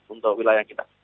untuk wilayah kita